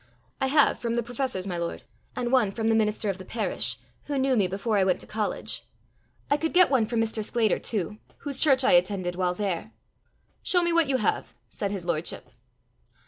"I have from the professors, my lord, and one from the minister of the parish, who knew me before I went to college. I could get one from Mr. Sclater too, whose church I attended while there." "Show me what you have," said his lordship.